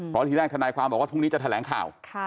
เพราะทีแรกทนายความบอกว่าพรุ่งนี้จะแถลงข่าว